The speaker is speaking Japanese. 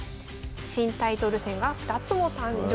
新タイトル戦が２つも誕生。